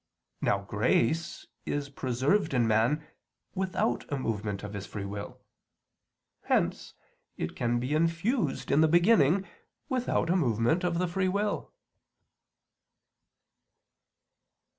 Now grace is preserved in man without a movement of his free will. Hence it can be infused in the beginning without a movement of the free will.